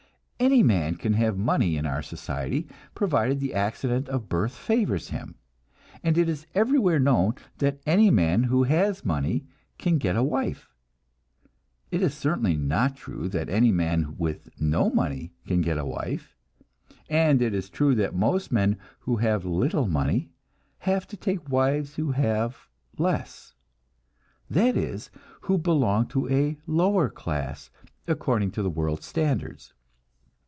Any man can have money in our society, provided the accident of birth favors him, and it is everywhere known that any man who has money can get a wife. It is certainly not true that any man with no money can get a wife, and it is true that most men who have little money have to take wives who have less that is, who belong to a lower class, according to the world's standards.